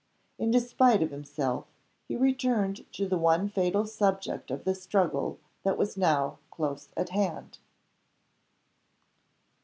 In despite of himself, he returned to the one fatal subject of the struggle that was now close at hand.